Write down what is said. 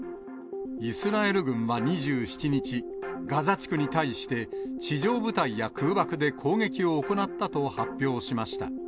イスラエル軍は２７日、ガザ地区に対して、地上部隊や空爆で攻撃を行ったと発表しました。